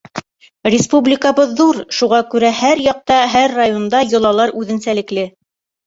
Республикабыҙ ҙур, шуға күрә һәр яҡта, һәр районда йолалар үҙенсәлекле.